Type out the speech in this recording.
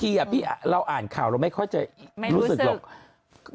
พี่เราอ่านข่าวเราไม่ค่อยจะรู้สึกหรอก